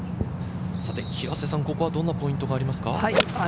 ここはどんなポイントがありますか？